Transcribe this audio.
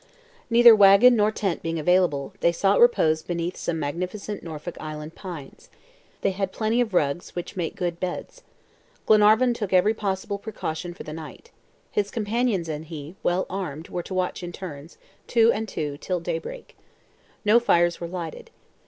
Neither wagon or tent being available, they sought repose beneath some magnificent Norfolk Island pines. They had plenty of rugs which make good beds. Glenarvan took every possible precaution for the night. His companions and he, well armed, were to watch in turns, two and two, till daybreak. No fires were lighted.